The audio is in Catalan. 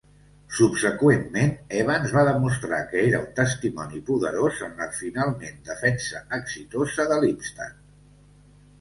Subseqüentment, Evans va demostrar que era un testimoni poderós en la finalment defensa exitosa de Lipstadt.